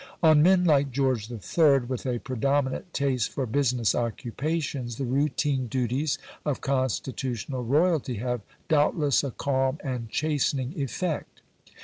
On men like George III., with a predominant taste for business occupations, the routine duties of constitutional royalty have doubtless a calm and chastening effect.